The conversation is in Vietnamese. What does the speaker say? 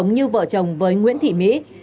hồng sống như vợ chồng với nguyễn thị mỹ